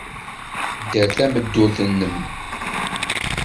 Dder tameddurt-nnem.